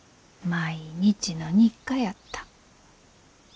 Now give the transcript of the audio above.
毎日の日課やった。